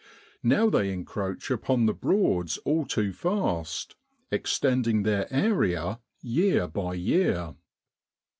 Now they encroach upon the Broads all too fast, extending their area year by year.